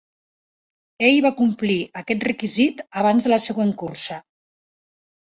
Ell va complir aquest requisit abans de la següent cursa.